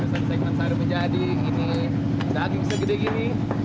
segini sehari menjadi ini daging segede gini